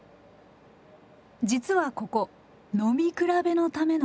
実はここ飲み比べのための場所。